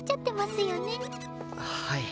はい。